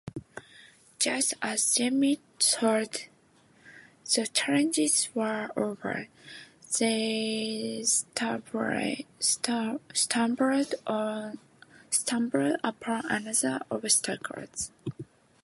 Just as Jimmy thought the challenges were over, they stumbled upon another obstacle.